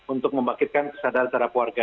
untuk membangkitkan kesadaran terhadap warga